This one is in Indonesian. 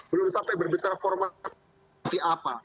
belum sampai berbicara formal seperti apa